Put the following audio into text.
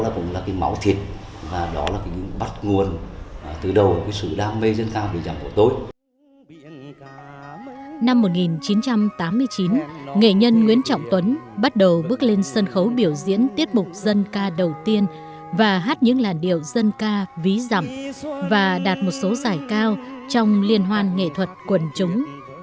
bắt đầu bước lên sân khấu biểu diễn tiết mục dân ca đầu tiên và hát những làn điệu dân ca ví dẳm và đạt một số giải cao trong liên hoan nghệ thuật quần chúng